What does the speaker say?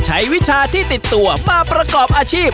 วิชาที่ติดตัวมาประกอบอาชีพ